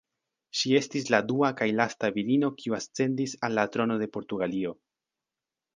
Ŝi estis la dua kaj lasta virino kiu ascendis al la trono de Portugalio.